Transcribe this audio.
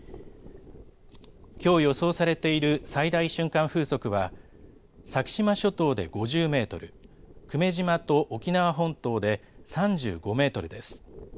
きょう予想されている最大瞬間風速は先島諸島で５０メートル、久米島と沖縄本島で３５メートルです。